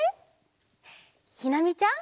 ひなみちゃん。